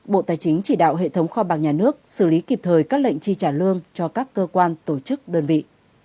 bộ tài chính chỉ đạo hệ thống kho bạc nhà nước xử lý kịp thời các lệnh chi trả lương cho các cơ quan tổ chức đơn vị